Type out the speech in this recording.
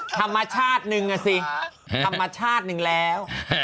ธรรมชาติหนึ่งอ่ะสิธรรมชาติหนึ่งแล้ว